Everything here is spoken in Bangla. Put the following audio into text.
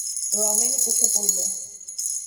রমেন উঠে পড়ল।